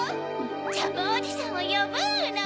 ジャムおじさんをよぶの！